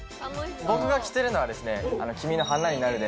僕が着てるのはですね